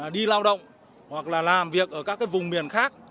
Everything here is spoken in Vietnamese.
đi lao động hoặc là làm việc ở các vùng miền khác